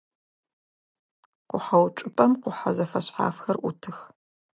Къухьэуцупӏэм къухьэ зэфэшъхьафхэр ӏутых.